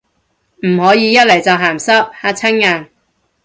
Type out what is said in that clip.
唔可以一嚟就鹹濕，嚇親人